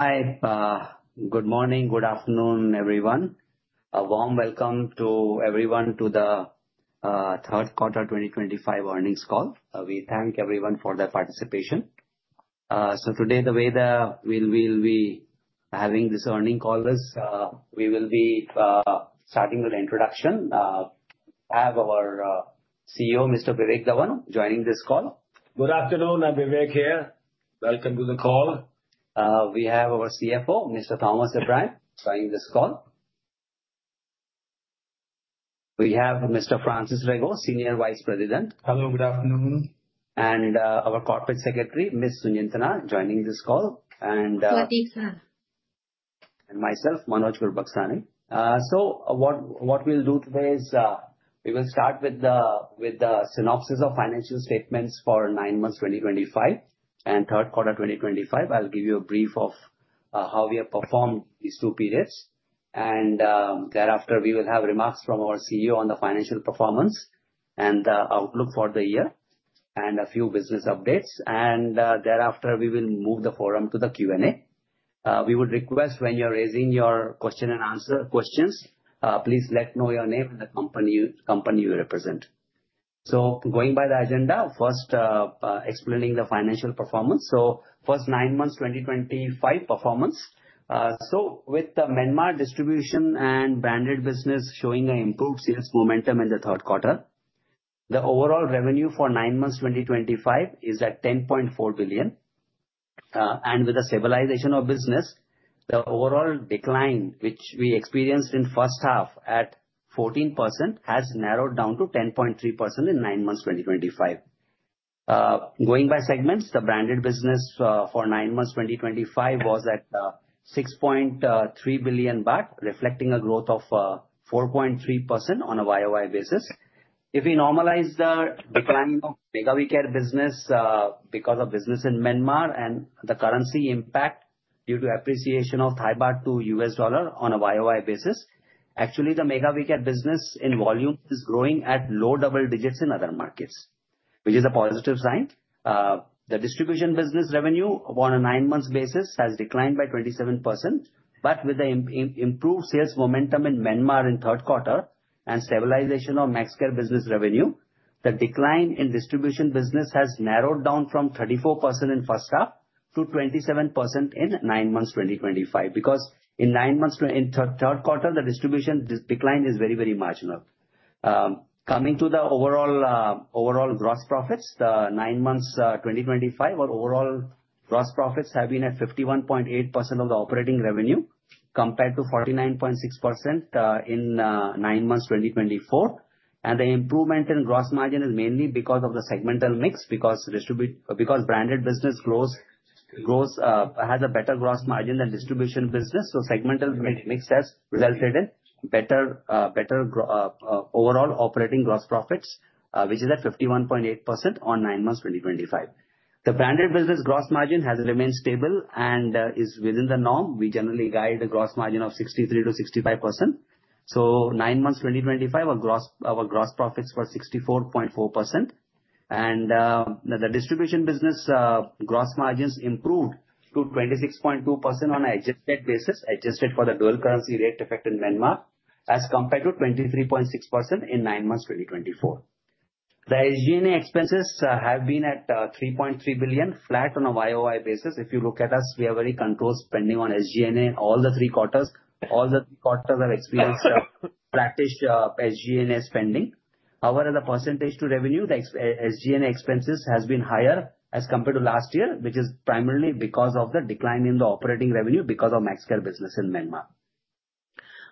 Hi. Good morning. Good afternoon, everyone. A warm welcome to everyone to the third quarter 2025 earnings call. We thank everyone for their participation. Today, the way that we'll be having this earnings call is we will be starting with introduction. I have our CEO, Mr. Vivek Dhawan, joining this call. Good afternoon. I'm Vivek here. Welcome to the call. We have our CFO, Mr. Thomas Abraham, joining this call. We have Mr. Francis Rego, Senior Vice President. Hello. Good afternoon. Our Corporate Secretary, Ms. Sujintana Boonworapat, is joining this call. Myself, Manoj Gurbuxani. What we will do today is we will start with the synopsis of financial statements for nine months 2025 and third quarter 2025. I will give you a brief of how we have performed in these two periods. Thereafter, we will have remarks from our CEO on the financial performance and the outlook for the year and a few business updates. Thereafter, we will move the forum to the Q&A. We would request when you are raising your question and answer questions, please let us know your name and the company you represent. Going by the agenda, first, explaining the financial performance. First, nine months 2025 performance. With the Myanmar distribution and branded business showing an improved sales momentum in the third quarter, the overall revenue for nine months 2025 is at 10.4 billion. With the stabilization of business, the overall decline, which we experienced in the first half at 14%, has narrowed down to 10.3% in nine months 2025. Going by segments, the branded business for nine months 2025 was at 6.3 billion baht, reflecting a growth of 4.3% on a YoY basis. If we normalize the decline of MEGA WeCare business because of business in Myanmar and the currency impact due to appreciation of Thai baht to US dollar on a YoY basis, actually, the MEGA WeCare business in volume is growing at low double digits in other markets, which is a positive sign. The distribution business revenue on a nine-month basis has declined by 27%. With the improved sales momentum in Myanmar in third quarter and stabilization of Maxcare business revenue, the decline in distribution business has narrowed down from 34% in first half to 27% in nine months 2025. In nine months in third quarter, the distribution decline is very, very marginal. Coming to the overall gross profits, the nine months 2025, our overall gross profits have been at 51.8% of the operating revenue compared to 49.6% in nine months 2024. The improvement in gross margin is mainly because of the segmental mix, because branded business has a better gross margin than distribution business. Segmental mix has resulted in better overall operating gross profits, which is at 51.8% on nine months 2025. The branded business gross margin has remained stable and is within the norm. We generally guide a gross margin of 63%-65%. Nine months 2025, our gross profits were 64.4%. The distribution business gross margins improved to 26.2% on an adjusted basis, adjusted for the dual currency rate effect in Myanmar, as compared to 23.6% in nine months 2024. The SG&A expenses have been at 3.3 billion, flat on a YoY basis. If you look at us, we are very controlled spending on SG&A in all the three quarters. All the three quarters have experienced flatish SG&A spending. However, the percentage to revenue, the SG&A expenses have been higher as compared to last year, which is primarily because of the decline in the operating revenue because of Maxcare business in Myanmar.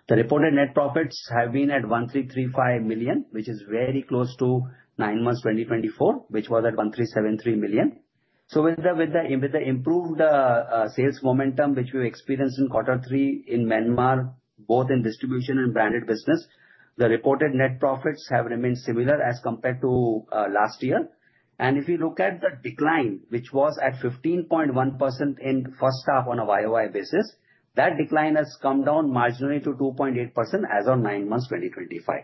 The reported net profits have been at 1,335 million, which is very close to nine months 2024, which was at 1,373 million. With the improved sales momentum, which we experienced in quarter three in Myanmar, both in distribution and branded business, the reported net profits have remained similar as compared to last year. If you look at the decline, which was at 15.1% in the first half on a YoY basis, that decline has come down marginally to 2.8% as of nine months 2025.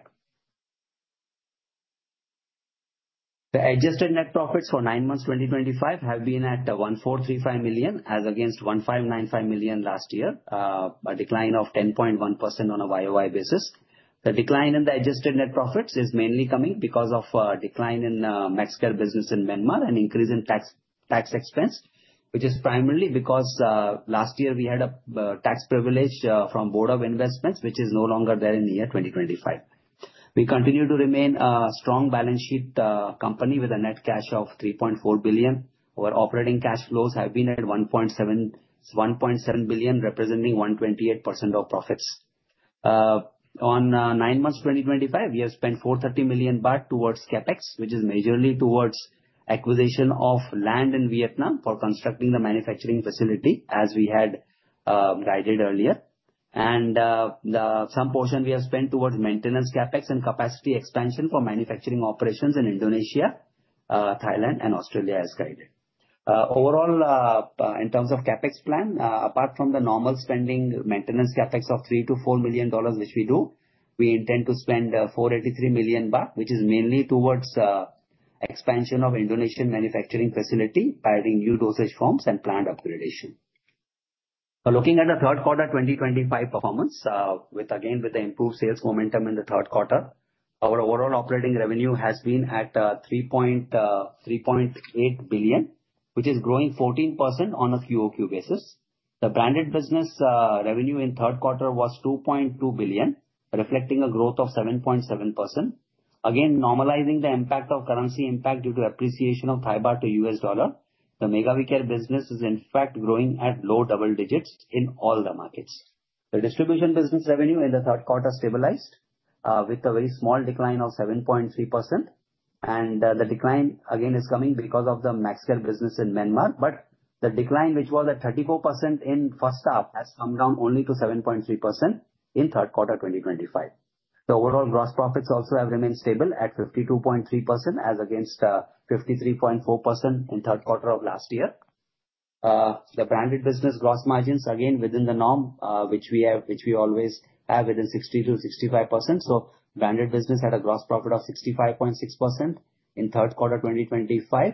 The adjusted net profits for nine months 2025 have been at 1,435 million, as against 1,595 million last year, a decline of 10.1% on a YoY basis. The decline in the adjusted net profits is mainly coming because of a decline in Maxcare business in Myanmar and increase in tax expense, which is primarily because last year we had a tax privilege from BOI, which is no longer there in the year 2025. We continue to remain a strong balance sheet company with a net cash of 3.4 billion. Our operating cash flows have been at 1.7 billion, representing 128% of profits. On nine months 2025, we have spent 430 million baht towards CapEx, which is majorly towards acquisition of land in Vietnam for constructing the manufacturing facility, as we had guided earlier. Some portion we have spent towards maintenance CapEx and capacity expansion for manufacturing operations in Indonesia, Thailand, and Australia, as guided. Overall, in terms of CapEx plan, apart from the normal spending, maintenance CapEx of $3 million-$4 million, which we do, we intend to spend 483 million baht, which is mainly towards expansion of Indonesian manufacturing facility, piloting new dosage forms, and plant upgradation. Looking at the third quarter 2025 performance, again, with the improved sales momentum in the third quarter, our overall operating revenue has been at 3.8 billion, which is growing 14% on a QoQ basis. The branded business revenue in third quarter was 2.2 billion, reflecting a growth of 7.7%. Again, normalizing the impact of currency impact due to appreciation of Thai baht to U.S. dollar, the MEGA WeCare business is, in fact, growing at low double digits in all the markets. The distribution business revenue in the third quarter stabilized with a very small decline of 7.3%. The decline, again, is coming because of the Maxcare business in Myanmar. The decline, which was at 34% in first half, has come down only to 7.3% in third quarter 2025. The overall gross profits also have remained stable at 52.3%, as against 53.4% in third quarter of last year. The branded business gross margins, again, within the norm, which we always have within 60%-65%. The branded business had a gross profit of 65.6% in third quarter 2025.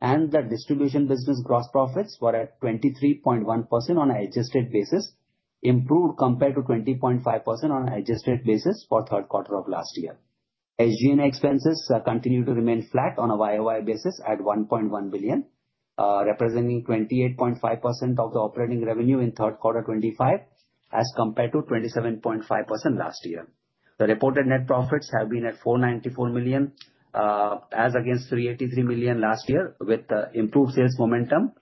The distribution business gross profits were at 23.1% on an adjusted basis, improved compared to 20.5% on an adjusted basis for third quarter of last year. SG&A expenses continue to remain flat on a YoY basis at 1.1 billion, representing 28.5% of the operating revenue in third quarter 2025, as compared to 27.5% last year. The reported net profits have been at 494 million, as against 383 million last year. With the improved sales momentum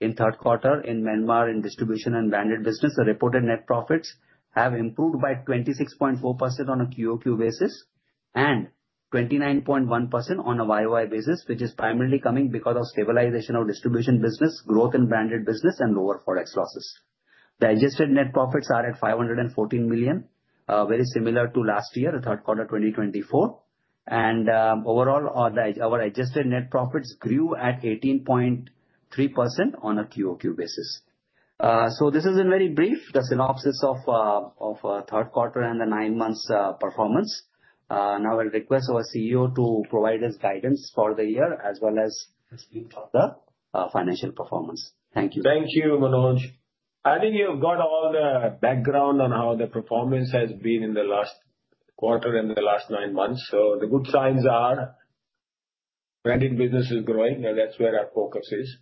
in third quarter in Myanmar in distribution and branded business, the reported net profits have improved by 26.4% on a QoQ basis and 29.1% on a YoY basis, which is primarily coming because of stabilization of distribution business, growth in branded business, and lower forex losses. The adjusted net profits are at 514 million, very similar to last year, third quarter 2024. Overall, our adjusted net profits grew at 18.3% on a QoQ basis. This has been very brief, the synopsis of third quarter and the nine months performance. Now, I'll request our CEO to provide us guidance for the year, as well as the financial performance. Thank you. Thank you, Manoj. I think you've got all the background on how the performance has been in the last quarter and the last nine months. The good signs are branded business is growing, and that's where our focus is.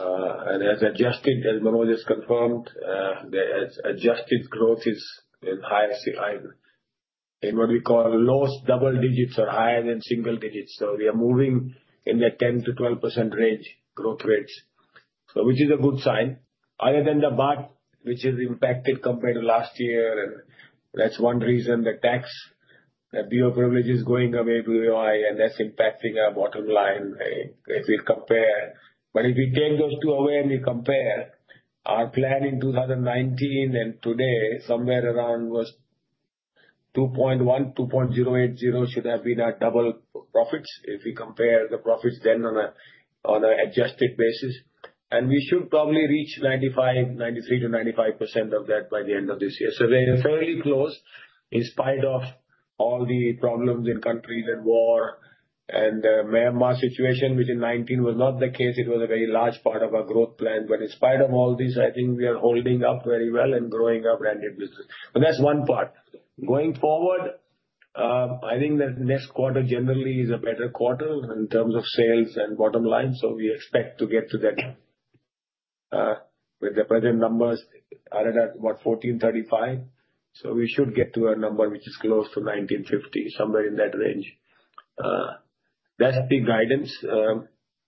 As adjusted, as Manoj has confirmed, the adjusted growth is in what we call low double digits or higher than single digits. We are moving in the 10%-12% range growth rates, which is a good sign. Other than the BOI, which is impacted compared to last year, and that's one reason the tax, the BOI privilege is going away, and that's impacting our bottom line. If we compare, if we take those two away and we compare, our plan in 2019 and today, somewhere around was 2.1, 2.080 should have been our double profits if we compare the profits then on an adjusted basis. We should probably reach 93%-95% of that by the end of this year. We are fairly close in spite of all the problems in country and war and the Myanmar situation, which in 2019 was not the case. It was a very large part of our growth plan. In spite of all this, I think we are holding up very well and growing our branded business. That is one part. Going forward, I think the next quarter generally is a better quarter in terms of sales and bottom line. We expect to get to that with the present numbers at about 1,435. We should get to a number which is close to 1,950, somewhere in that range. That is the guidance.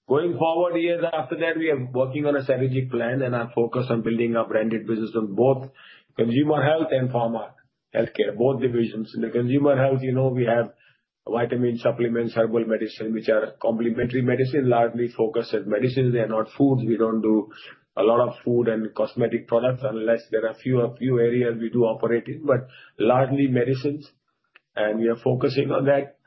Going forward, years after that, we are working on a strategic plan and our focus on building our branded business on both consumer health and pharma healthcare, both divisions. In the consumer health, we have vitamin supplements, herbal medicine, which are complementary medicine, largely focused as medicines. They are not foods. We do not do a lot of food and cosmetic products, unless there are a few areas we do operate in, but largely medicines. We are focusing on that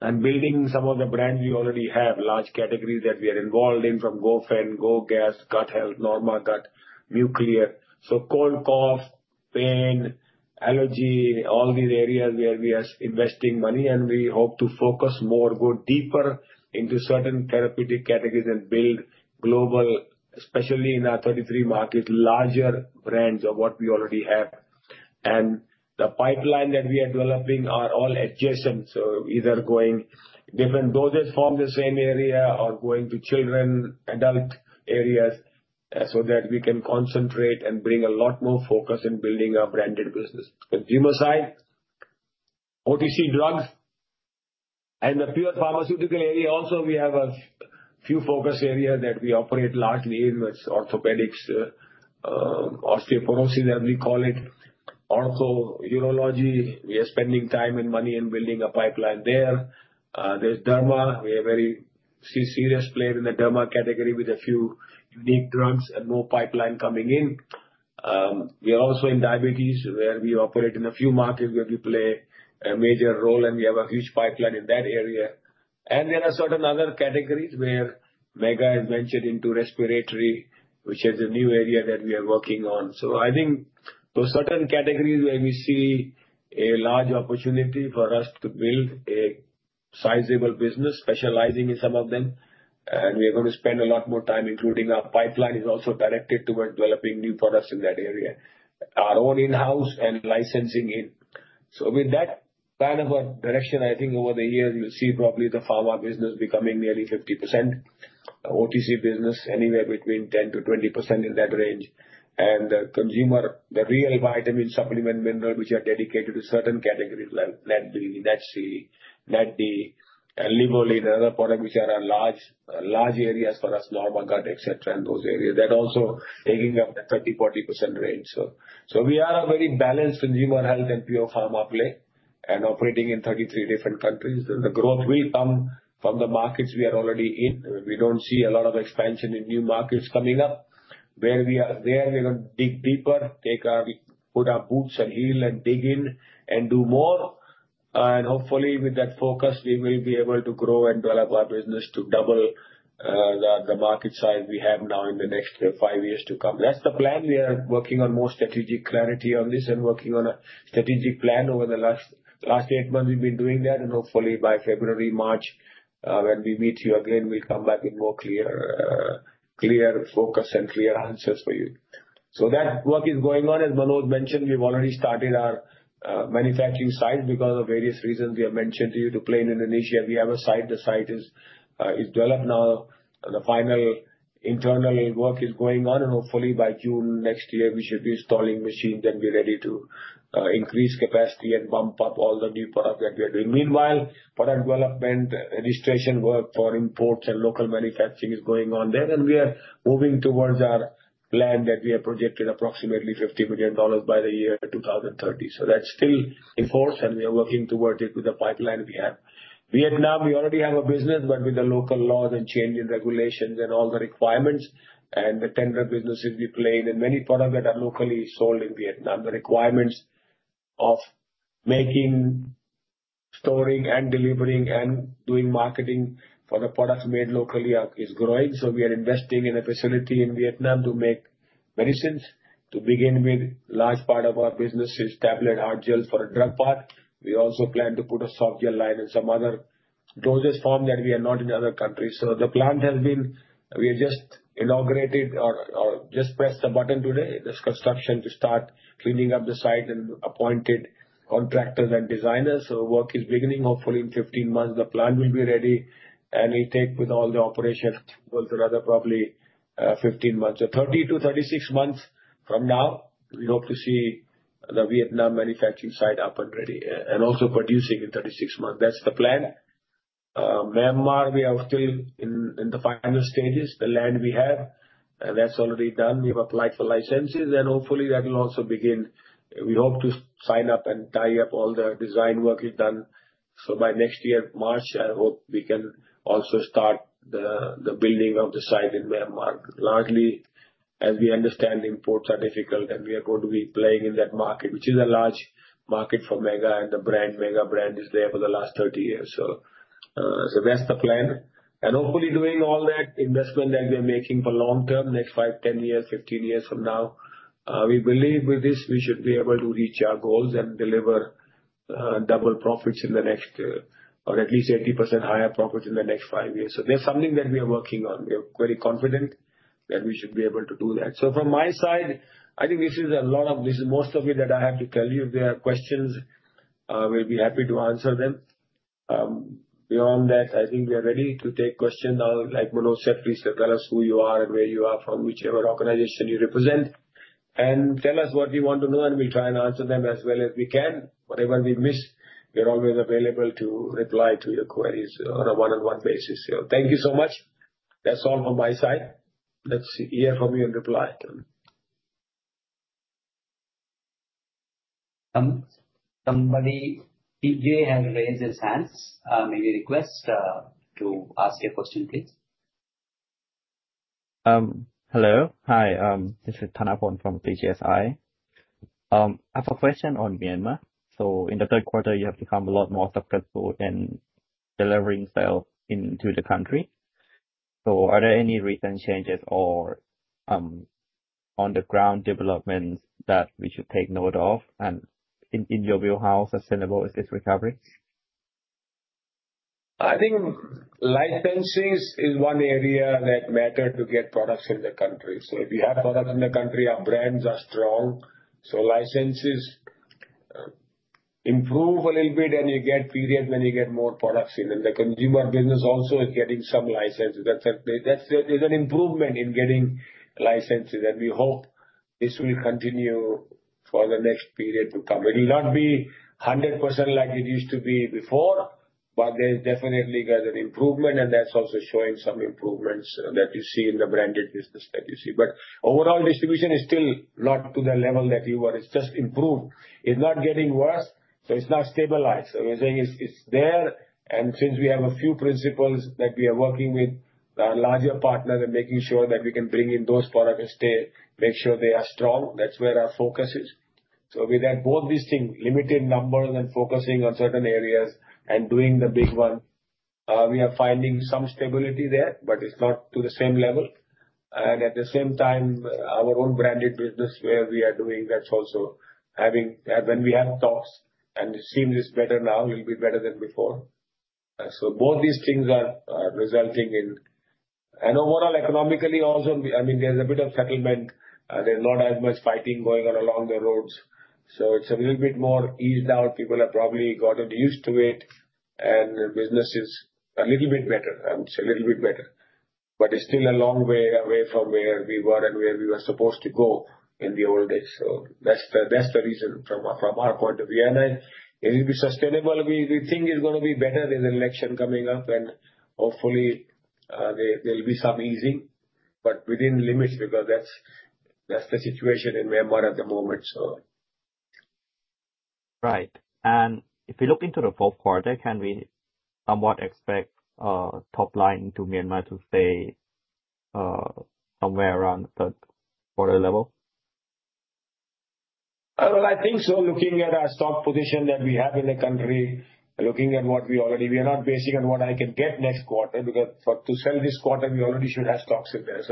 and building some of the brands we already have, large categories that we are involved in from Gofen, GO Gas, Gut Health, Norma Gut, Nuclear. Cold, cough, pain, allergy, all these areas where we are investing money. We hope to focus more, go deeper into certain therapeutic categories and build global, especially in our 33 markets, larger brands of what we already have. The pipeline that we are developing are all adjacent. Either going different dosage forms, the same area, or going to children, adult areas so that we can concentrate and bring a lot more focus in building our branded business. Consumer side, OTC drugs, and the pure pharmaceutical area. Also, we have a few focus areas that we operate largely in, which are orthopedics, osteoporosis, as we call it, ortho urology. We are spending time and money in building a pipeline there. There is derma. We have a very serious play in the derma category with a few unique drugs and more pipeline coming in. We are also in diabetes, where we operate in a few markets where we play a major role, and we have a huge pipeline in that area. There are certain other categories where Mega is mentioned into respiratory, which is a new area that we are working on. I think those certain categories where we see a large opportunity for us to build a sizable business, specializing in some of them. We are going to spend a lot more time, including our pipeline is also directed towards developing new products in that area, our own in-house and licensing it. With that kind of a direction, I think over the years, you'll see probably the pharma business becoming nearly 50%, OTC business anywhere between 10%-20% in that range. The consumer, the real vitamin supplement mineral, which are dedicated to certain categories like NAD3, NADD, and Livolin, another product which are large areas for us, Norma Gut, etc., in those areas that also are taking up the 30%-40% range. We are a very balanced consumer health and pure pharma play and operating in 33 different countries. The growth will come from the markets we are already in. We do not see a lot of expansion in new markets coming up. Where we are, we are going to dig deeper, put our boots and heel and dig in and do more. Hopefully, with that focus, we will be able to grow and develop our business to double the market size we have now in the next five years to come. That is the plan. We are working on more strategic clarity on this and working on a strategic plan. Over the last eight months, we have been doing that. Hopefully, by February, March, when we meet you again, we will come back with more clear focus and clear answers for you. That work is going on. As Manoj mentioned, we've already started our manufacturing site because of various reasons we have mentioned to you to play in Indonesia. We have a site. The site is developed now. The final internal work is going on. Hopefully, by June next year, we should be installing machines and be ready to increase capacity and bump up all the new products that we are doing. Meanwhile, product development, registration work for imports and local manufacturing is going on there. We are moving towards our plan that we have projected approximately $50 million by the year 2030. That is still in force, and we are working towards it with the pipeline we have. Vietnam, we already have a business, but with the local laws and changing regulations and all the requirements and the tender businesses we play in and many products that are locally sold in Vietnam, the requirements of making, storing, and delivering and doing marketing for the products made locally is growing. We are investing in a facility in Vietnam to make medicines. To begin with, a large part of our business is tablet, hard gel for a drug part. We also plan to put a soft gel line and some other dosage form that we are not in other countries. The plant has been just inaugurated or just pressed the button today. There is construction to start cleaning up the site and appointed contractors and designers. Work is beginning. Hopefully, in 15 months, the plant will be ready. We take with all the operation will run for probably 15 months or 30-36 months from now. We hope to see the Vietnam manufacturing side up and ready and also producing in 36 months. That is the plan. Myanmar, we are still in the final stages. The land we have, that is already done. We have applied for licenses, and hopefully, that will also begin. We hope to sign up and tie up all the design work we have done. By next year, March, I hope we can also start the building of the site in Myanmar. Largely, as we understand, imports are difficult, and we are going to be playing in that market, which is a large market for Mega. The brand, Mega brand, is there for the last 30 years. That is the plan. Hopefully, doing all that investment that we are making for long term, next 5 years, 10 years, 15 years from now, we believe with this, we should be able to reach our goals and deliver double profits in the next or at least 80% higher profits in the next five years. That is something that we are working on. We are very confident that we should be able to do that. From my side, I think this is most of it that I have to tell you. If there are questions, we will be happy to answer them. Beyond that, I think we are ready to take questions. Like Manoj said, please tell us who you are and where you are from, whichever organization you represent, and tell us what you want to know, and we will try and answer them as well as we can. Whatever we miss, we are always available to reply to your queries on a one-on-one basis. Thank you so much. That is all from my side. Let us hear from you and reply. Somebody, PJ, has raised his hand. Maybe request to ask a question, please. Hello. Hi. This is Thanaporn from PGSI. I have a question on Myanmar. In the third quarter, you have become a lot more successful in delivering sales into the country. Are there any recent changes or on-the-ground developments that we should take note of? In your wheelhouse, how sustainable is this recovery? I think licensing is one area that matters to get products in the country. If you have products in the country, our brands are strong. Licenses improve a little bit, and you get periods when you get more products in. The consumer business also is getting some licenses. That is an improvement in getting licenses. We hope this will continue for the next period to come. It will not be 100% like it used to be before, but there has definitely been an improvement. That is also showing some improvements that you see in the branded business that you see. Overall, distribution is still not to the level that you were. It has just improved. It is not getting worse. It is not stabilized. We are saying it is there. We have a few principles that we are working with our larger partners and making sure that we can bring in those products and make sure they are strong, that's where our focus is. With both these things, limited numbers and focusing on certain areas and doing the big one, we are finding some stability there, but it's not to the same level. At the same time, our own branded business where we are doing, that's also having when we have talks, and it seems it's better now, it'll be better than before. Both these things are resulting in, and overall, economically also, I mean, there's a bit of settlement. There's not as much fighting going on along the roads. It's a little bit more eased out. People have probably gotten used to it, and business is a little bit better. It's a little bit better, but it's still a long way away from where we were and where we were supposed to go in the old days. That is the reason from our point of view. It will be sustainable. We think it's going to be better in the election coming up, and hopefully, there will be some easing, but within limits because that's the situation in Myanmar at the moment. Right. If we look into the fourth quarter, can we somewhat expect top line to Myanmar to stay somewhere around the quarter level? I think so, looking at our stock position that we have in the country, looking at what we already, we are not basing on what I can get next quarter because to sell this quarter, we already should have stocks in there.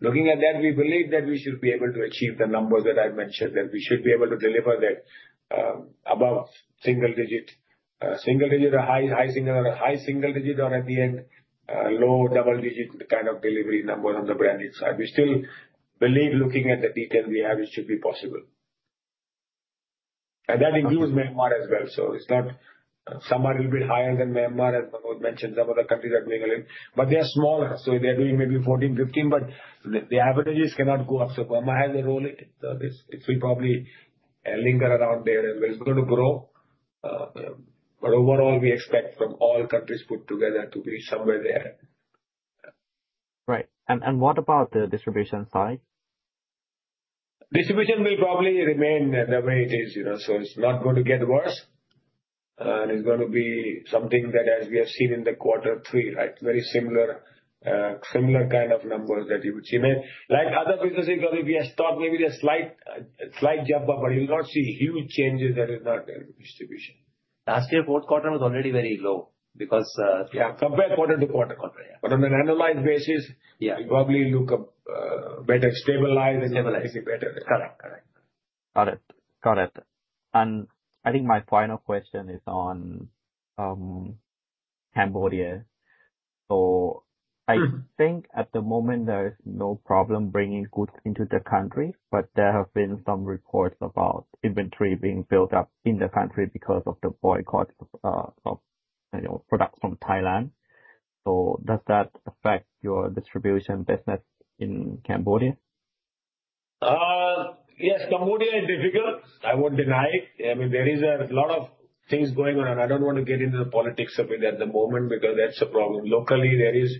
Looking at that, we believe that we should be able to achieve the numbers that I have mentioned, that we should be able to deliver that above single digit, single digit, high single digit, or at the end, low double digit kind of delivery numbers on the branded side. We still believe, looking at the detail we have, it should be possible. That includes Myanmar as well. It is not somewhat a little bit higher than Myanmar, as Manoj mentioned, some of the countries are doing a little, but they are smaller. They are doing maybe 14, 15, but the averages cannot go up. Burma has a role in this. It will probably linger around there as well. It's going to grow. Overall, we expect from all countries put together to be somewhere there. Right. What about the distribution side? Distribution will probably remain the way it is. It is not going to get worse. It is going to be something that, as we have seen in quarter three, right, very similar kind of numbers that you would see. Like other businesses, probably we have thought maybe there is a slight jump up, but you will not see huge changes that are not in distribution. Last year, fourth quarter was already very low because. Yeah, compare quarter to quarter. On an annualized basis, it probably looks better, stabilized. Stabilized. Better. Correct. Got it. Got it. I think my final question is on Cambodia. I think at the moment, there is no problem bringing goods into the country, but there have been some reports about inventory being built up in the country because of the boycott of products from Thailand. Does that affect your distribution business in Cambodia? Yes, Cambodia is difficult. I won't deny it. I mean, there are a lot of things going on, and I don't want to get into the politics of it at the moment because that's a problem. Locally, there is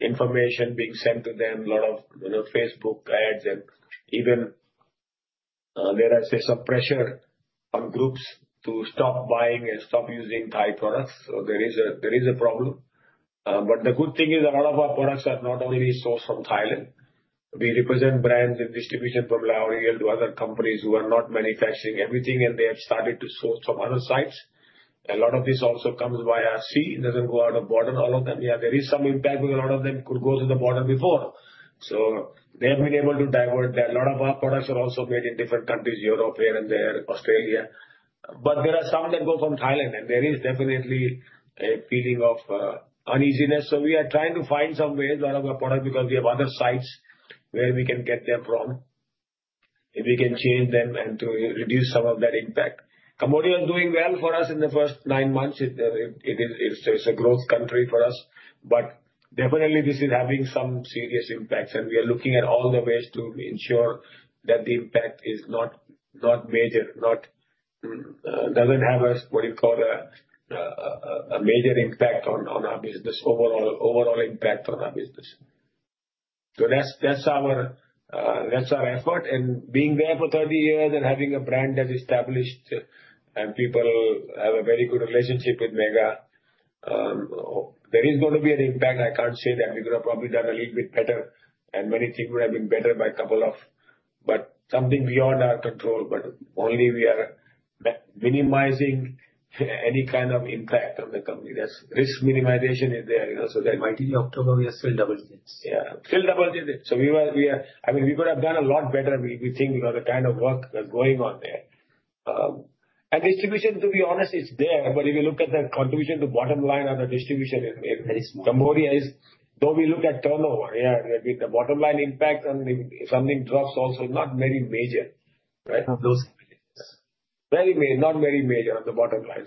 information being sent to them, a lot of Facebook ads, and even there, I say some pressure on groups to stop buying and stop using Thai products. There is a problem. The good thing is a lot of our products are not only sourced from Thailand. We represent brands in distribution from L'Oreal to other companies who are not manufacturing everything, and they have started to source from other sites. A lot of this also comes via sea. It doesn't go out of border, all of them. There is some impact because a lot of them could go to the border before. They have been able to divert there. A lot of our products are also made in different countries, Europe, here and there, Australia. There are some that go from Thailand, and there is definitely a feeling of uneasiness. We are trying to find some ways, a lot of our products, because we have other sites where we can get them from if we can change them and to reduce some of that impact. Cambodia is doing well for us in the first nine months. It is a growth country for us. This is having some serious impacts, and we are looking at all the ways to ensure that the impact is not major, does not have what you call a major impact on our business, overall impact on our business. That is our effort. Being there for 30 years and having a brand that's established and people have a very good relationship with Mega, there is going to be an impact. I can't say that we could have probably done a little bit better, and many things would have been better by a couple of, but something beyond our control. Only we are minimizing any kind of impact on the company. That risk minimization is there. In October, we are still double digits. Yeah, still double digits. I mean, we could have done a lot better. We think because the kind of work that's going on there. And distribution, to be honest, it's there. But if you look at the contribution to bottom line or the distribution in Cambodia, though we look at turnover, the bottom line impact on if something drops also not very major, right? No. Very major, not very major on the bottom line.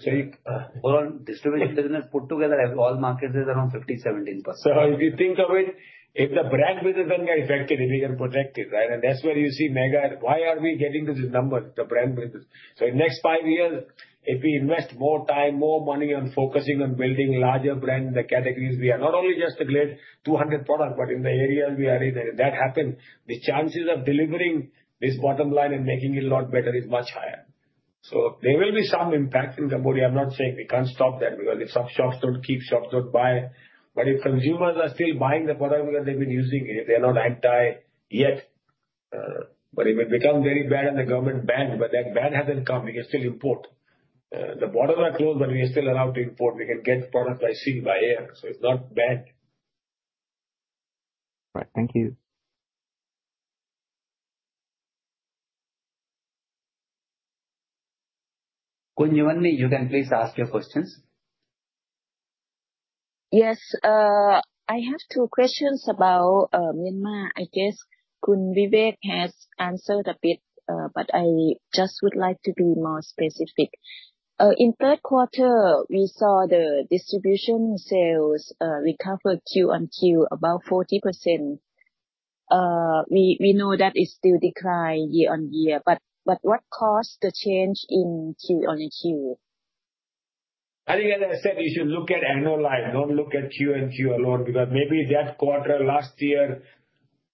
Overall distribution business put together, all markets is around 15%-17%. If you think of it, if the brand business does not get affected, it is not protected, right? That is where you see Mega. Why are we getting to this number, the brand business? In the next five years, if we invest more time, more money on focusing on building larger brands in the categories, we are not only just the great 200 products, but in the areas we are in. If that happens, the chances of delivering this bottom line and making it a lot better is much higher. There will be some impact in Cambodia. I am not saying we cannot stop that because if shops do not keep, shops do not buy. If consumers are still buying the product because they have been using it, they are not anti yet. If it becomes very bad and the government bans, that ban has not come, we can still import. The borders are closed, but we are still allowed to import. We can get products by sea, by air. It is not bad. Right. Thank you. Kunjivanni, you can please ask your questions. Yes. I have two questions about Myanmar. I guess Kunjivan has answered a bit, but I just would like to be more specific. In third quarter, we saw the distribution sales recover Q-on-Q, about 40%. We know that it's still declined year on year. What caused the change in Q-on-Q? I think, as I said, you should look at annualized. Do not look at Q-on-Q alone because maybe that quarter last year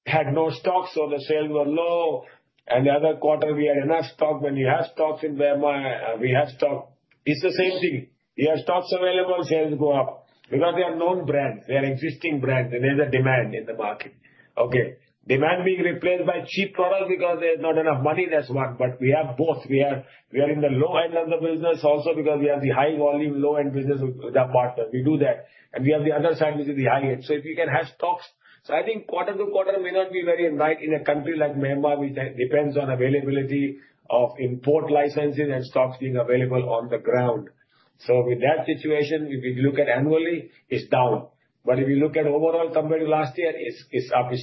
had no stocks, so the sales were low. The other quarter, we had enough stock. When you have stocks in Myanmar, we have stock. It is the same thing. You have stocks available, sales go up because they are known brands. They are existing brands. There is a demand in the market. Okay. Demand being replaced by cheap products because there is not enough money. That is one. We have both. We are in the low end of the business also because we have the high volume, low end business with our partners. We do that. We have the other side, which is the high end. If you can have stocks, I think quarter-to-quarter may not be very right in a country like Myanmar, which depends on availability of import licenses and stocks being available on the ground. With that situation, if we look at annually, it's down. If you look at overall compared to last year, it's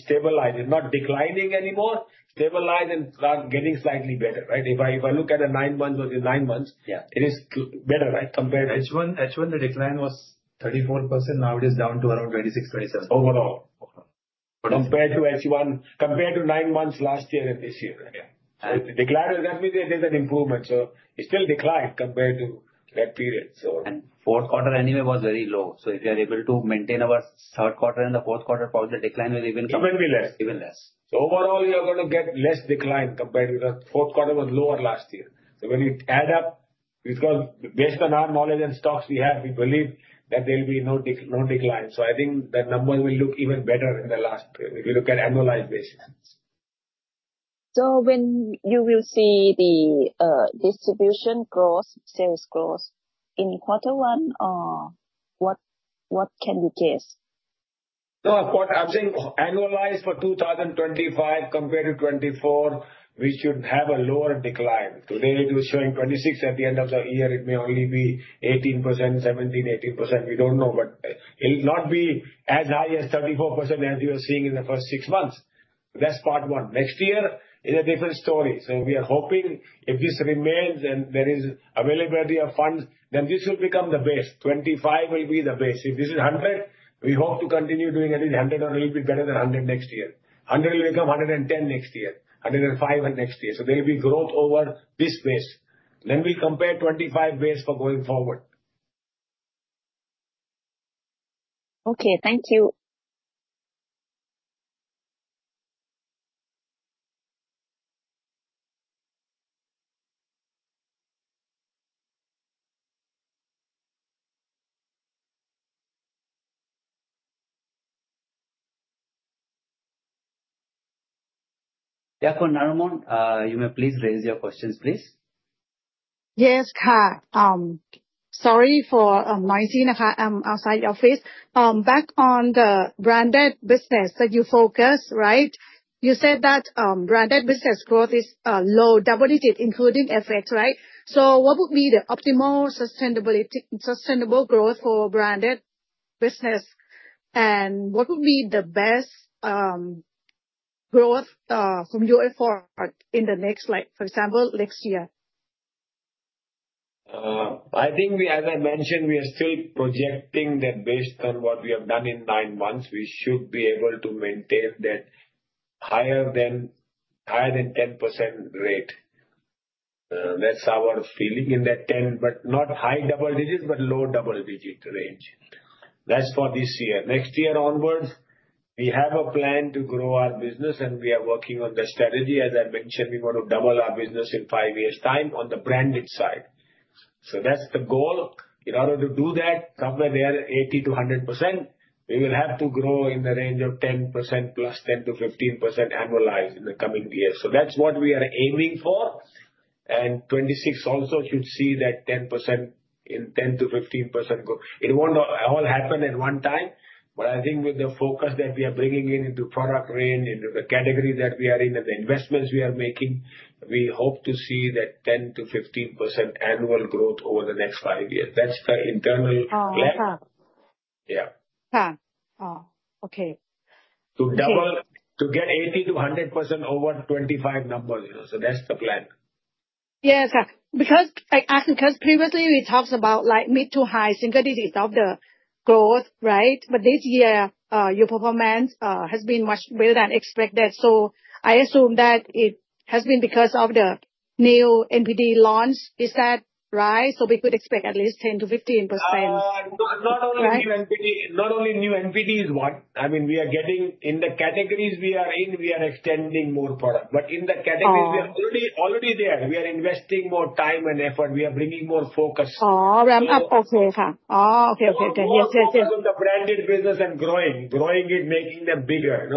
stabilized. It's not declining anymore. Stabilized and getting slightly better, right? If I look at the nine months or the nine months, it is better, right, compared to. H1, the decline was 34%. Now it is down to around 26%-27% overall. Compared to H1, compared to nine months last year and this year. Yeah. Decline doesn't mean there's an improvement. It is still declined compared to that period. Fourth quarter anyway was very low. If you are able to maintain our third quarter and the fourth quarter, probably the decline will even come even less. Even less. Overall, you are going to get less decline compared because fourth quarter was lower last year. When you add up, because based on our knowledge and stocks we have, we believe that there will be no decline. I think the numbers will look even better in the last if you look at annualized basis. When you will see the distribution growth, sales growth in quarter one, what can you guess? No, I'm saying annualized for 2025 compared to 2024, we should have a lower decline. Today, it was showing 26% at the end of the year. It may only be 18%, 17%-18%. We don't know, but it'll not be as high as 34% as you are seeing in the first six months. That's part one. Next year is a different story. We are hoping if this remains and there is availability of funds, then this will become the base. 2025 will be the base. If this is 100, we hope to continue doing at least 100 or a little bit better than 100 next year. 100 will become 110 next year, 105 next year. There will be growth over this base. We will compare 2025 base for going forward. Okay. Thank you. Deafon Narumon, you may please raise your questions, please. Yes, Kat. Sorry for noisy outside your face. Back on the branded business that you focus, right? You said that branded business growth is low, double digit, including effect, right? What would be the optimal sustainable growth for branded business? What would be the best growth from your effort in the next, for example, next year? I think, as I mentioned, we are still projecting that based on what we have done in nine months, we should be able to maintain that higher than 10% rate. That's our feeling in that 10, but not high double digits, but low double digit range. That's for this year. Next year onwards, we have a plan to grow our business, and we are working on the strategy. As I mentioned, we want to double our business in five years' time on the branded side. That's the goal. In order to do that, somewhere there, 80%-100%, we will have to grow in the range of 10% + 10%-15% annualized in the coming years. That's what we are aiming for. Twenty twenty-six also should see that 10% in 10%-15% growth. It won't all happen at one time. I think with the focus that we are bringing in into product range, into the categories that we are in, and the investments we are making, we hope to see that 10%-15% annual growth over the next five years. That's the internal plan. Yeah. Kat. Okay. To get 80%-100% over 25 numbers. That is the plan. Yes. Because previously, we talked about mid to high single digits of the growth, right? This year, your performance has been much better than expected. I assume that it has been because of the new NPD launch. Is that right? We could expect at least 10%-15%. Not only new NPD is one. I mean, we are getting in the categories we are in, we are extending more product. In the categories we are already there, we are investing more time and effort. We are bringing more focus. Okay. Yes. Focus on the branded business and growing it, making them bigger.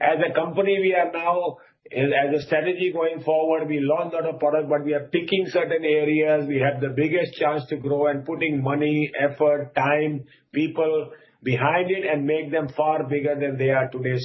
As a company, we are now, as a strategy going forward, we launched a lot of products, but we are picking certain areas. We have the biggest chance to grow and putting money, effort, time, people behind it and make them far bigger than they are today.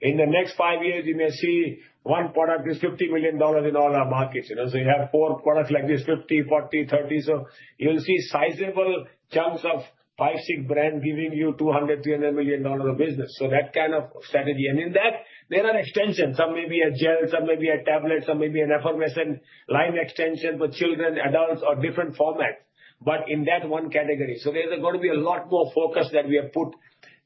In the next five years, you may see one product is $50 million in all our markets. You have four products like this, $50 million, $40 million, $30 million. You will see sizable chunks of five, six brands giving you $200 million-$300 million of business. That kind of strategy. In that, there are extensions. Some may be a gel, some may be a tablet, some may be an affirmation line extension for children, adults, or different formats. In that one category, there's going to be a lot more focus that we have put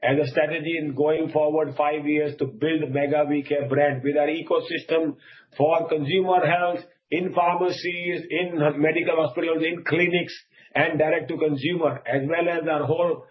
as a strategy in going forward five years to build Mega Weekend brand with our ecosystem for consumer health in pharmacies, in medical hospitals, in clinics, and direct to consumer, as well as our whole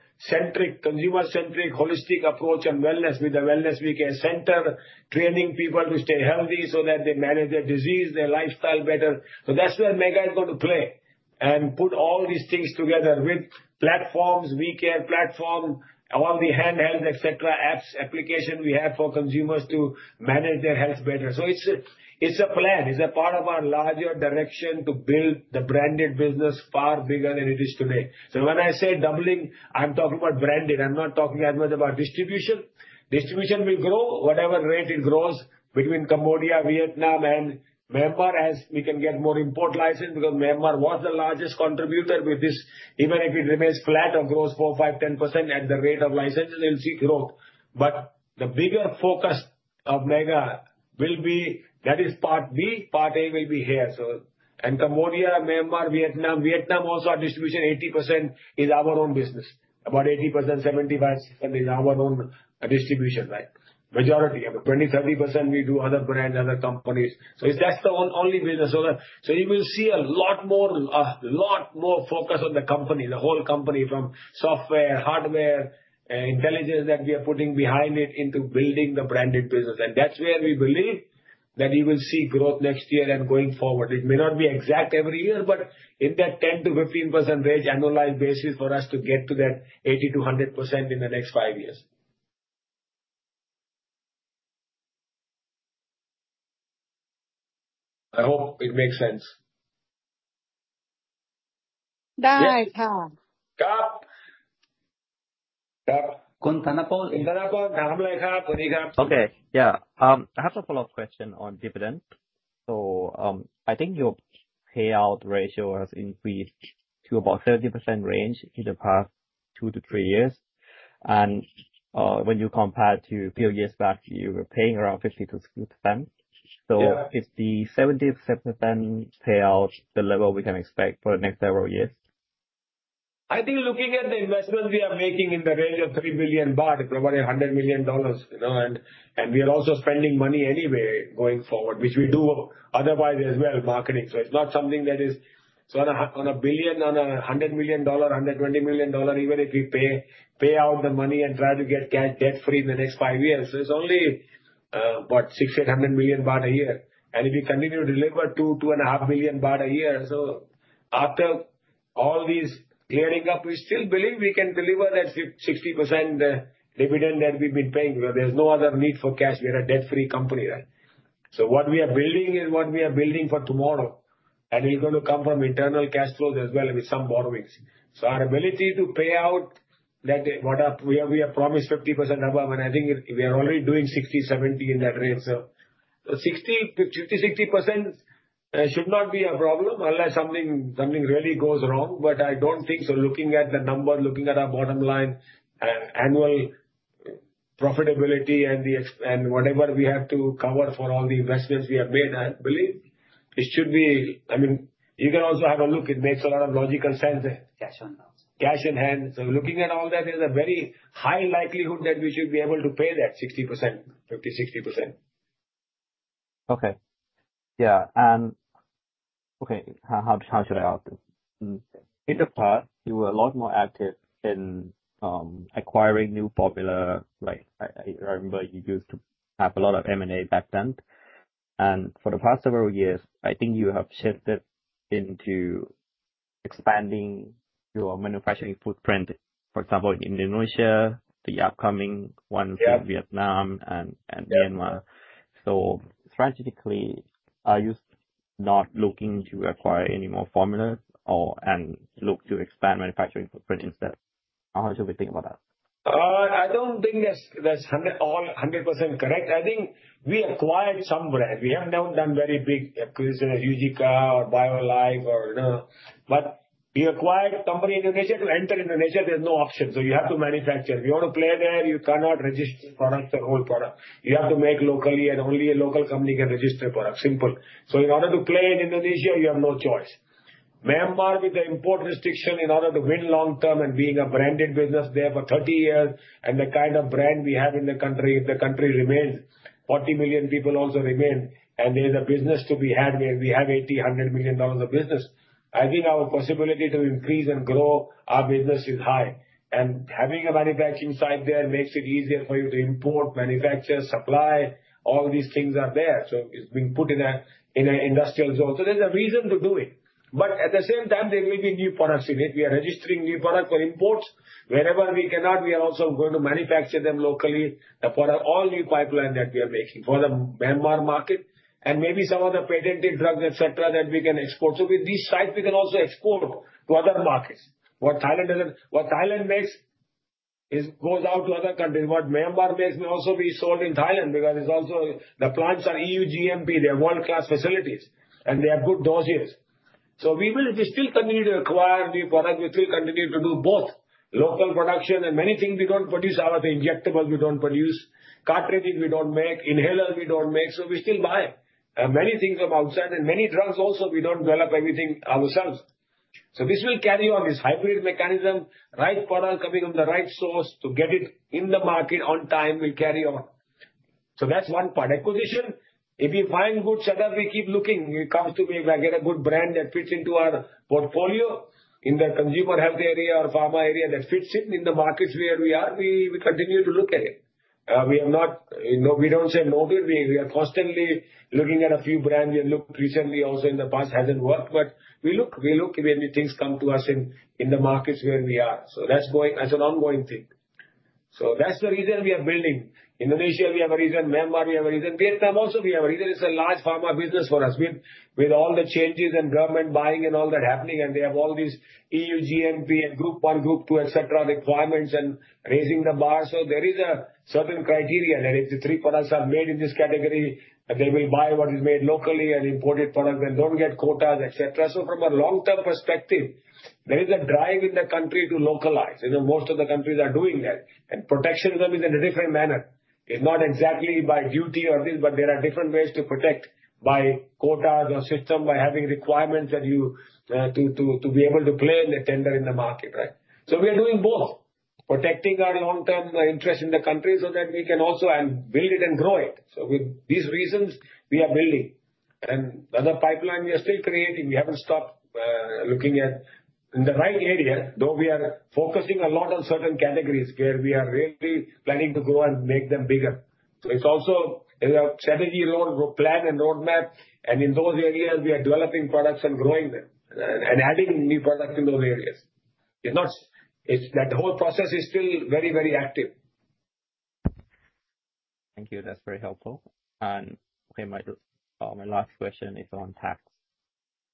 consumer-centric holistic approach and wellness with the wellness weekend center, training people to stay healthy so that they manage their disease, their lifestyle better. That is where Mega is going to play and put all these things together with platforms, weekend platform, all the handheld, etc., apps, applications we have for consumers to manage their health better. It is a plan. It is a part of our larger direction to build the branded business far bigger than it is today. When I say doubling, I'm talking about branded. I'm not talking as much about distribution. Distribution will grow whatever rate it grows between Cambodia, Vietnam, and Myanmar as we can get more import license because Myanmar was the largest contributor with this. Even if it remains flat or grows 4%, 5%, 10% at the rate of licenses, it'll see growth. The bigger focus of Mega will be that is part B. Part A will be here. Cambodia, Myanmar, Vietnam. Vietnam also our distribution 80% is our own business. About 80%, 75% is our own distribution, right? Majority of 20%, 30% we do other brands, other companies. That's the only business. You will see a lot more focus on the company, the whole company from software, hardware, intelligence that we are putting behind it into building the branded business. That's where we believe that you will see growth next year and going forward. It may not be exact every year, but in that 10%-15% range annualized basis for us to get to that 80%-100% in the next five years. I hope it makes sense. Kat. Kat. Kunthanapol. Kunthanapol. I'm like Kat. Okay. Yeah. I have a follow-up question on dividend. I think your payout ratio has increased to about 70% range in the past two to three years. When you compare to a few years back, you were paying around 50%-60%. Is the 70% payout the level we can expect for the next several years? I think looking at the investments we are making in the range of 3 billion baht, it's about $100 million. We are also spending money anyway going forward, which we do otherwise as well, marketing. It is not something that is on a billion, on a $100 million, $120 million, even if we pay out the money and try to get cash debt-free in the next five years. It is only about 600-800 million baht a year. If you continue to deliver 2-2.5 billion baht a year, after all these clearing up, we still believe we can deliver that 60% dividend that we've been paying because there's no other need for cash. We are a debt-free company, right? What we are building is what we are building for tomorrow. It is going to come from internal cash flows as well with some borrowings. Our ability to pay out what we have promised, 50% above, and I think we are already doing 60%, 70% in that range. Sixty, 60% should not be a problem unless something really goes wrong. I do not think so. Looking at the number, looking at our bottom line, annual profitability, and whatever we have to cover for all the investments we have made, I believe it should be. I mean, you can also have a look. It makes a lot of logical sense. Cash on hand. Cash on hands. Looking at all that, there's a very high likelihood that we should be able to pay that 60%, 50-60%. Okay. Yeah. Okay, how should I ask this? In the past, you were a lot more active in acquiring new formula, right? I remember you used to have a lot of M&A back then. For the past several years, I think you have shifted into expanding your manufacturing footprint, for example, in Indonesia, the upcoming ones in Vietnam and Myanmar. Strategically, are you not looking to acquire any more formulas and look to expand manufacturing footprint instead? How should we think about that? I don't think that's 100% correct. I think we acquired some brands. We have not done very big acquisitions, UGCA or BioLife, but we acquired a company in Indonesia to enter Indonesia. There's no option. You have to manufacture. If you want to play there, you cannot register products or hold products. You have to make locally, and only a local company can register products. Simple. In order to play in Indonesia, you have no choice. Myanmar, with the import restriction, in order to win long-term and being a branded business there for 30 years and the kind of brand we have in the country, if the country remains, 40 million people also remain, and there's a business to be had where we have $80 million-$100 million of business, I think our possibility to increase and grow our business is high. Having a manufacturing site there makes it easier for you to import, manufacture, supply. All these things are there. It is being put in an industrial zone. There is a reason to do it. At the same time, there may be new products in it. We are registering new products for imports. Wherever we cannot, we are also going to manufacture them locally for all new pipelines that we are making for the Myanmar market and maybe some of the patented drugs, etc., that we can export. With these sites, we can also export to other markets. What Thailand makes goes out to other countries. What Myanmar makes may also be sold in Thailand because the plants are EU GMP. They have world-class facilities, and they have good doses. We will still continue to acquire new products. We will still continue to do both local production and many things. We do not produce our injectables. We do not produce cartridges. We do not make inhalers. We do not make. We still buy many things from outside and many drugs also. We do not develop everything ourselves. This will carry on. This hybrid mechanism, right product coming from the right source to get it in the market on time, will carry on. That is one part. Acquisition, if we find good setup, we keep looking. It comes to me. If I get a good brand that fits into our portfolio in the consumer health area or pharma area that fits in in the markets where we are, we continue to look at it. We do not say no to it. We are constantly looking at a few brands. We have looked recently. Also in the past, it has not worked, but we look. We look when things come to us in the markets where we are. That is going as an ongoing thing. That is the reason we are building. Indonesia, we have a reason. Myanmar, we have a reason. Vietnam also, we have a reason. It is a large pharma business for us with all the changes and government buying and all that happening. They have all these EU GMP and Group 1, Group 2, etc., requirements and raising the bar. There is a certain criteria that if the three products are made in this category, they will buy what is made locally and imported products do not get quotas, etc. From a long-term perspective, there is a drive in the country to localize. Most of the countries are doing that. Protectionism is in a different manner. It's not exactly by duty or this, but there are different ways to protect by quotas or system by having requirements that you to be able to play in the tender in the market, right? We are doing both, protecting our long-term interest in the country so that we can also build it and grow it. With these reasons, we are building. Other pipeline, we are still creating. We haven't stopped looking at in the right area, though we are focusing a lot on certain categories where we are really planning to grow and make them bigger. It's also a strategy plan and roadmap. In those areas, we are developing products and growing them and adding new products in those areas. The whole process is still very, very active. Thank you. That's very helpful. My last question is on tax.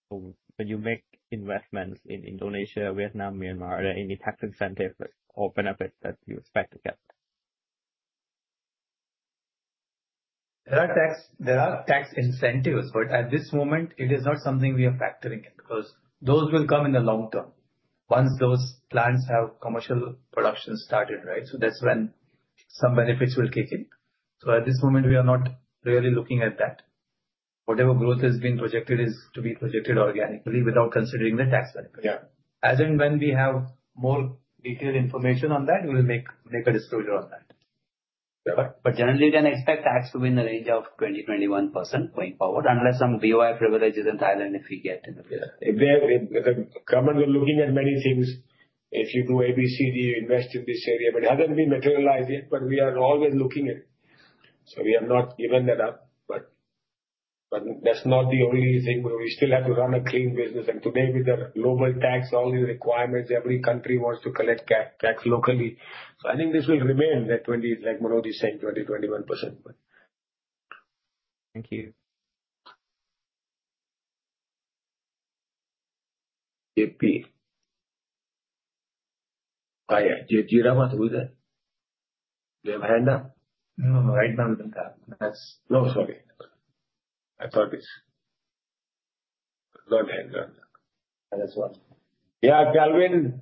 When you make investments in Indonesia, Vietnam, Myanmar, are there any tax incentives or benefits that you expect to get? There are tax incentives, but at this moment, it is not something we are factoring in because those will come in the long term once those plants have commercial production started, right? That is when some benefits will kick in. At this moment, we are not really looking at that. Whatever growth has been projected is to be projected organically without considering the tax benefit. As and when we have more detailed information on that, we will make a disclosure on that. Generally, we can expect tax to be in the range of 20%-21% going forward unless some BOI privileges in Thailand if we get in. The government will look at many things. If you do A, B, C, D, you invest in this area. It has not been materialized yet, but we are always looking at it. We have not given that up. That's not the only thing. We still have to run a clean business. Today, with the global tax, all these requirements, every country wants to collect tax locally. I think this will remain that 20, like Manoj is saying, 20, 21%. Thank you. JP. Hi, JP Ramas? Who is that? Do you have a hand up? No, right now. No, sorry. I thought it's. Yeah, Calvin.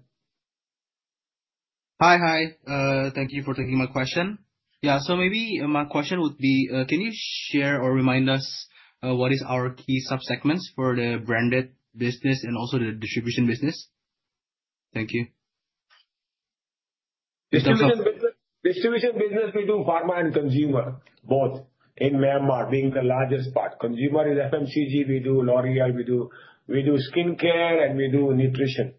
Hi, hi. Thank you for taking my question. Yeah, maybe my question would be, can you share or remind us what are our key subsegments for the branded business and also the distribution business? Thank you. Distribution business, we do pharma and consumer, both in Myanmar, being the largest part. Consumer is FMCG. We do L'Oreal. We do skincare, and we do nutrition.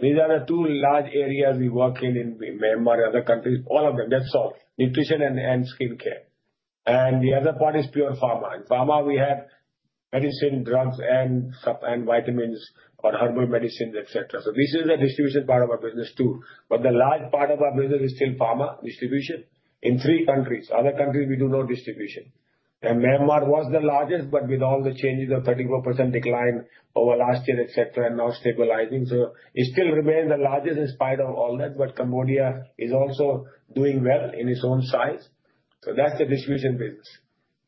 These are the two large areas we work in in Myanmar and other countries, all of them. That's all. Nutrition and skincare. The other part is pure pharma. In pharma, we have medicine, drugs, and vitamins or herbal medicines, etc. This is a distribution part of our business too. The large part of our business is still pharma distribution in three countries. Other countries, we do no distribution. Myanmar was the largest, but with all the changes, a 34% decline over last year, etc., and now stabilizing. It still remains the largest in spite of all that, Cambodia is also doing well in its own size. That's the distribution business.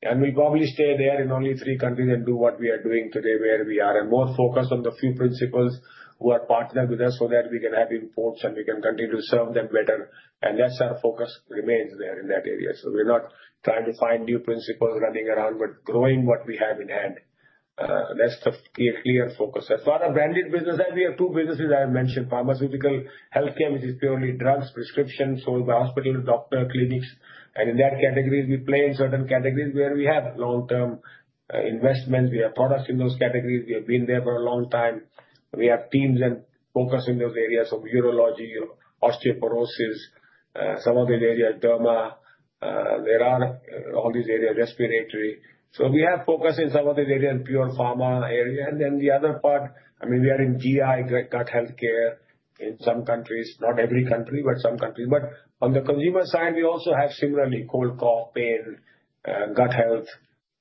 We will probably stay there in only three countries and do what we are doing today where we are and more focused on the few principals who are partnered with us so that we can have imports and we can continue to serve them better. That is our focus and remains there in that area. We are not trying to find new principals running around, but growing what we have in hand. That is the clear focus. As far as branded business, we have two businesses I have mentioned: pharmaceutical, healthcare, which is purely drugs, prescription, sold by hospitals, doctors, clinics. In that category, we play in certain categories where we have long-term investments. We have products in those categories. We have been there for a long time. We have teams and focus in those areas of urology, osteoporosis, some of these areas, derma. There are all these areas, respiratory. We have focus in some of these areas in pure pharma area. I mean, we are in GI, gut healthcare in some countries, not every country, but some countries. On the consumer side, we also have similarly cold, cough, pain, gut health,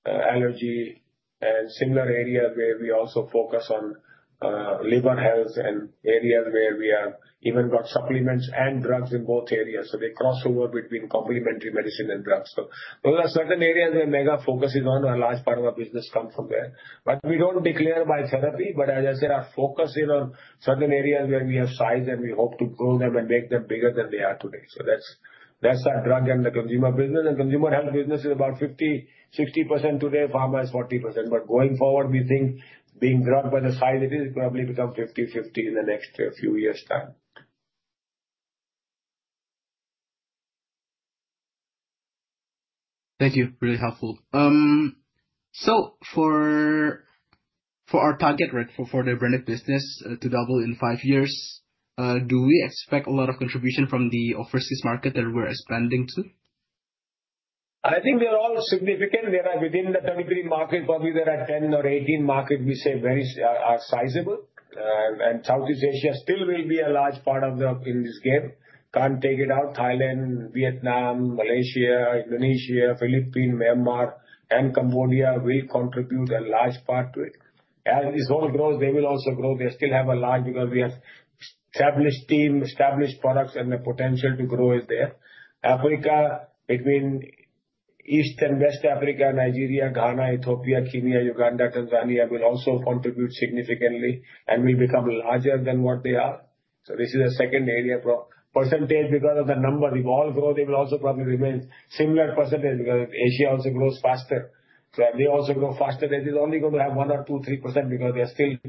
allergy, and similar areas where we also focus on liver health and areas where we have even got supplements and drugs in both areas. They cross over between complementary medicine and drugs. Those are certain areas where Mega focus is on, a large part of our business comes from there. We do not declare by therapy, but as I said, our focus is on certain areas where we have size and we hope to grow them and make them bigger than they are today. That is our drug and the consumer business. Consumer health business is about 50%-60% today. Pharma is 40%. Going forward, we think being drug by the size, it is probably become 50/50 in the next few years' time. Thank you. Really helpful. For our target for the branded business to double in five years, do we expect a lot of contribution from the overseas market that we're expanding to? I think they're all significant. There are within the 33 markets, probably there are 10 or 18 markets we say are sizable. Southeast Asia still will be a large part of this game. Can't take it out. Thailand, Vietnam, Malaysia, Indonesia, Philippines, Myanmar, and Cambodia will contribute a large part to it. As this all grows, they will also grow. They still have a large because we have established teams, established products, and the potential to grow is there. Africa, between East and West Africa, Nigeria, Ghana, Ethiopia, Kenya, Uganda, Tanzania will also contribute significantly and will become larger than what they are. This is a second area percentage because of the numbers. If all grow, they will also probably remain similar percentage because Asia also grows faster. They also grow faster. It is only going to have 1% or 2%, 3% because they are still 16%,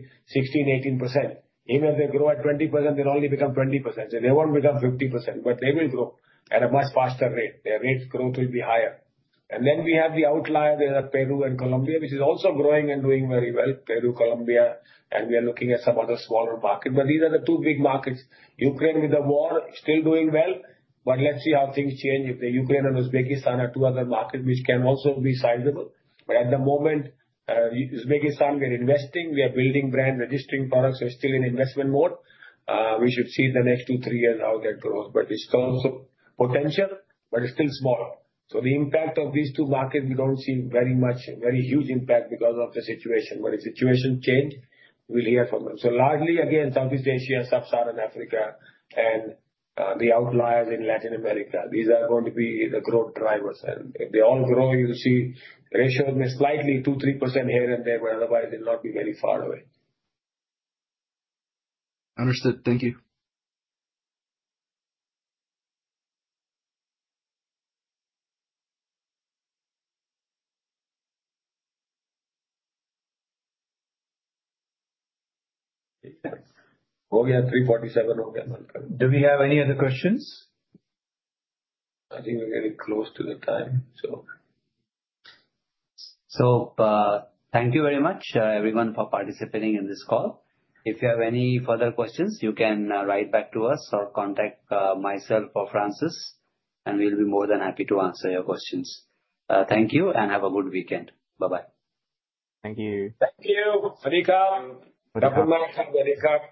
18%. Even if they grow at 20%, they'll only become 20%. They won't become 50%, but they will grow at a much faster rate. Their rate growth will be higher. Then we have the outlier. There are Peru and Colombia, which is also growing and doing very well, Peru, Colombia, and we are looking at some other smaller markets. These are the two big markets. Ukraine with the war, still doing well, but let's see how things change. Ukraine and Uzbekistan are two other markets which can also be sizable. At the moment, Uzbekistan, we are investing. We are building brands, registering products. We're still in investment mode. We should see in the next two, three years how that grows. It is also potential, but it is still small. The impact of these two markets, we do not see very much, very huge impact because of the situation. If the situation changed, we will hear from them. Largely, again, Southeast Asia, Sub-Saharan Africa, and the outliers in Latin America, these are going to be the growth drivers. If they all grow, you will see ratios may slightly 2%-3% here and there, but otherwise, they will not be very far away. Understood. Thank you. Okay, 3:47. Do we have any other questions? I think we're getting close to the time, so. Thank you very much, everyone, for participating in this call. If you have any further questions, you can write back to us or contact myself or Francis, and we'll be more than happy to answer your questions. Thank you and have a good weekend. Bye-bye. Thank you. Thank you. Adi Khan. Francis Rego. Manoj Gurbuxani. Thank you.